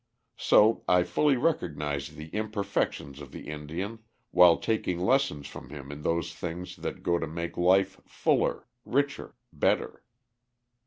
So I fully recognize the imperfections of the Indian while taking lessons from him in those things that go to make life fuller, richer, better.